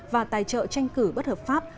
và tài trợ tranh cử bất hợp pháp